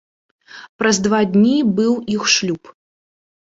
Праз два дні быў іх шлюб.